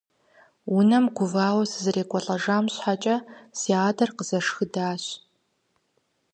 Унэм гувауэ сызэрекӀуэлӏэжам щхьэкӀэ си адэр къызэшхыдащ.